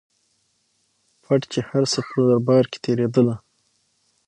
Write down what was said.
پټ چي هر څه په دربار کي تېرېدله